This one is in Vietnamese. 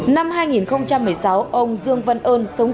năm hai nghìn một mươi sáu ông dương văn ơn sống trung tâm